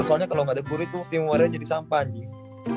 soalnya kalau ga ada curry tuh tim warriors jadi sampah anjing